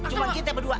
cuma kita berdua